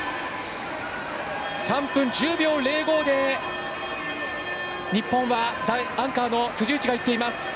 ３分１０秒０５で日本はアンカーの辻内がいっています。